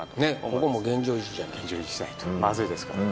ここもう現状維持じゃないとまずいですよね